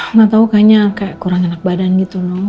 nggak tahu kayaknya kurang enak badan gitu loh